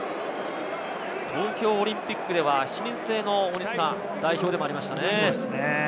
東京オリンピックでは７人制の代表でもありましたね。